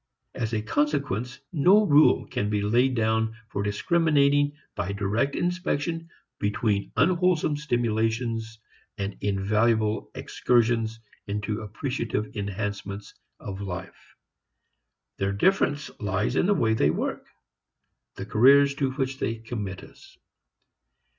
As a consequence no rule can be laid down for discriminating by direct inspection between unwholesome stimulations and invaluable excursions into appreciative enhancements of life. Their difference lies in the way they work, the careers to which they commit us.